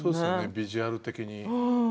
ビジュアル的にね。